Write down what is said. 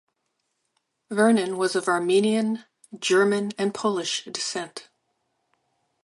Vernon was of Armenian, German, and Polish descent.